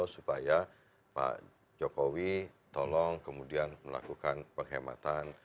supaya pak jokowi tolong kemudian melakukan penghematan